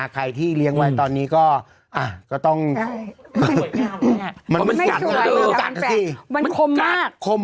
ใครที่เลี้ยงไวอนตอนนี้ก็อ่ะก็ต้องมันมันกัดสิมันขมมาก